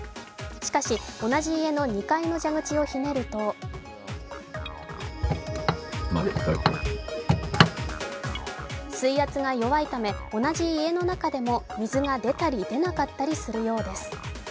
しかし、同じ家の２階の蛇口をひねると水圧が弱いため同じ家の中でも水が出たり出なかったりするようです。